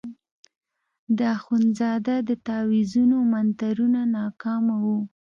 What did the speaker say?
د اخندزاده د تاویزونو منترونه ناکامه وو.